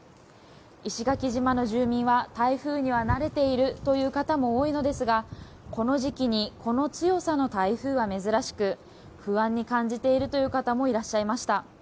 石垣島の住民は台風には慣れているという方も多いのですが、この時期にこの強さの台風は珍しく不安に感じているという方もいらっしゃいました。